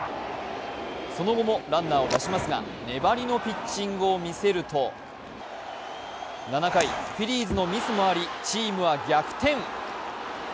その後もランナーを出しますが粘りのピッチングを見せると７回、フィリーズのミスもあり、チームは逆転。